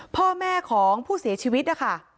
พ่อแม่ของผู้เสียชีวิตนะคะ